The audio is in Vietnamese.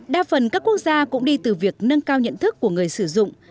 đa phần các quốc gia cũng đi từ việc nâng cao nhận thức của người sử dụng